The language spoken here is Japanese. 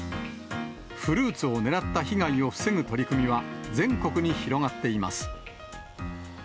フルーツを狙った被害を防ぐ取り組みは、全国に広がっています。